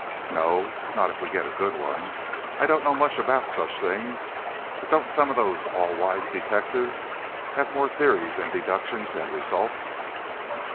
"No; not if we get a good one. I don't know much about such things, but don't some of those all wise detectives have more theories and deductions than results?"